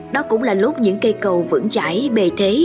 đó cũng là lúc những cây cầu vững chải bề thế